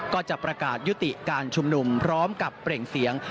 ก็จะประกาศยุติการชุมนุมพร้อมกับเปล่งเสียง